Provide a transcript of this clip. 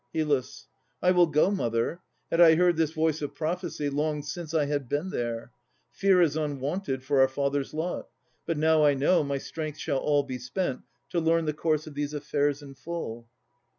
HYL. I will go, mother. Had I heard this voice Of prophecy, long since I had been there. Fear is unwonted for our father's lot. But now I know, my strength shall all be spent To learn the course of these affairs in full.